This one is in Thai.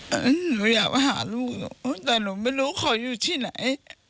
หนูอยากมาหาลูกแต่หนูไม่รู้เขาอยู่ที่ไหน